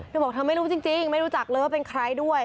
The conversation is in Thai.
เธอบอกเธอไม่รู้จริงไม่รู้จักเลยว่าเป็นใครด้วย